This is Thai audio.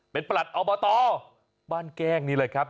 เป็นประหลัดอบตบ้านแก้งนี่แหละครับ